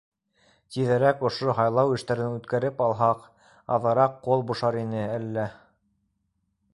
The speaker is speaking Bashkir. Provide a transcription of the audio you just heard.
Тиҙерәк ошо һайлау эштәрен үткәреп алһаҡ, аҙыраҡ ҡул бушар ине әллә.